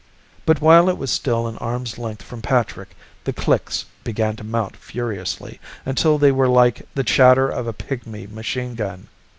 But while it was still an arm's length from Patrick, the clicks began to mount furiously, until they were like the chatter of a pigmy machine gun.